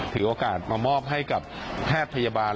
ถือโอกาสมามอบให้กับแพทย์พยาบาล